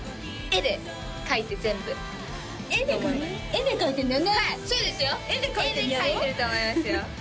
絵で描いてると思いますよ